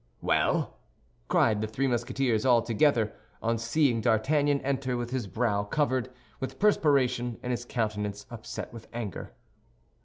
"Well!" cried the three Musketeers all together, on seeing D'Artagnan enter with his brow covered with perspiration and his countenance upset with anger.